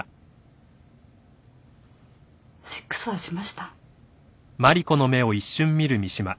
セックスはしました？